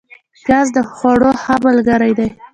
پیاز د خوړو ښه ملګری دی